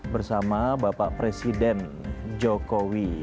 bersama bapak presiden jokowi